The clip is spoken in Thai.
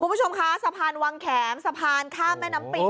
คุณผู้ชมคะสะพานวังแข็มสะพานข้ามแม่น้ำปิง